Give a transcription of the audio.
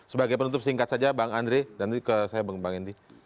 sebagai penutup singkat saja bang andri dan ke saya bang indy